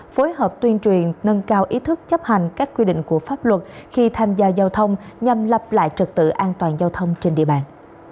phối hợp tuyên truyền nâng cao ý thức chấp hành các quy định của pháp luật khi tham gia giao thông nhằm lập lại trật tự an toàn giao thông trên địa bàn